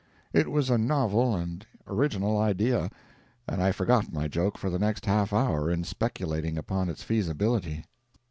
It was a novel and original idea and I forgot my joke for the next half hour in speculating upon its feasibility...